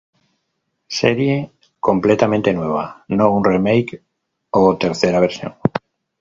Serie completamente nueva, no un remake o tercera versión.